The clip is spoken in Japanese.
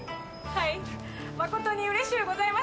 はい誠にうれしゅうございます。